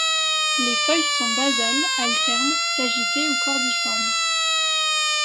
Les feuilles sont basales, alternes, sagitées ou cordiformes.